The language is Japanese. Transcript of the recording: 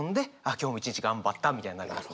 今日も一日頑張ったみたいになりますね。